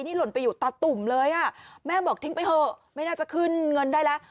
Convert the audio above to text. นี่หล่นไปอยู่ตาตุ่มเลยอ่ะแม่บอกทิ้งไปเถอะไม่น่าจะขึ้นเงินได้แล้ว